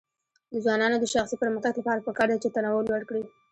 د ځوانانو د شخصي پرمختګ لپاره پکار ده چې تنوع لوړ کړي.